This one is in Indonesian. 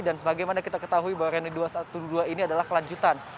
dan bagaimana kita ketahui bahwa reuni dua ratus dua belas ini adalah kelanjutan